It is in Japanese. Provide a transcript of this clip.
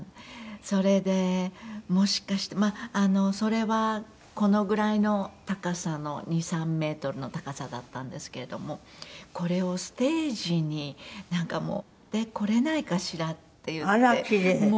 それでもしかしてまあそれはこのぐらいの高さの２３メートルの高さだったんですけれどもこれをステージになんか持ってこれないかしらっていって。